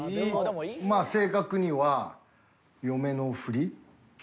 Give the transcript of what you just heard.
まあ正確には嫁のふり。